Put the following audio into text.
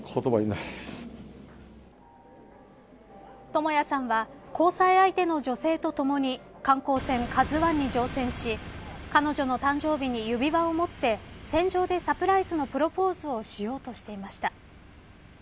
智也さんは交際相手の女性とともに観光船ＫＡＺＵ１に乗船し彼女の誕生日に指輪を持って船上でサプライズのプロポーズをしようとしていました。